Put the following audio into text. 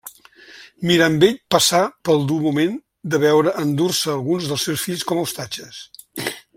Mirambell passà pel dur moment de veure endur-se alguns dels seus fills com a ostatges.